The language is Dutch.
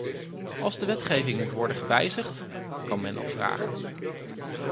Als de wetgeving moet worden gewijzigd, kan men dat vragen.